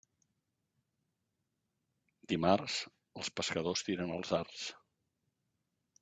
Dimarts, els pescadors tiren els arts.